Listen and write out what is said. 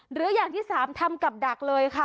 หรืออย่างที่๓ทำกับดักเลยค่ะ